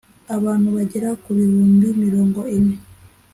abantu bagera ku bihumbi mirongo ine